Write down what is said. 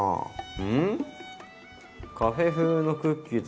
うん。